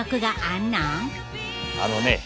あのね